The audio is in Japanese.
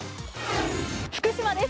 福島です。